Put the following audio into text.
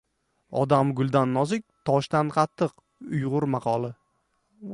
Odam guldan nozik, toshdan qattiq. Uyg‘ur maqoli